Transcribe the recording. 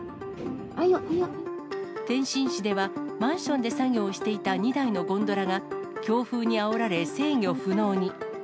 天津市では、マンションで作業をしていた２台のゴンドラが、強風にあおられ制御不能に。